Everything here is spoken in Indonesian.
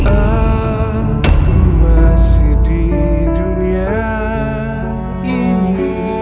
aku masih di dunia ini